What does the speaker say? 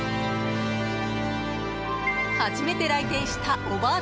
初めて来店したおばあ